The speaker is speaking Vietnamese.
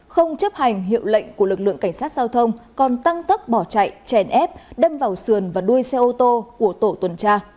không chấp hành hiệu lệnh của lực lượng cảnh sát giao thông còn tăng tấp bỏ chạy chèn ép đâm vào sườn và đuôi xe ô tô của tổ tuần tra